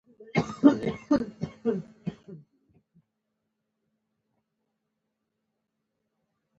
خیبر الحق ګوهر کاکا خیل د پښتو ژبې معاصر شاعر دی.